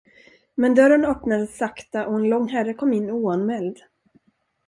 Men dörren öppnades sakta, och en lång herre kom in oanmäld.